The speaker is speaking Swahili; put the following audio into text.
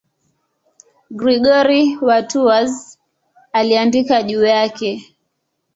Gregori wa Tours aliandika juu yake.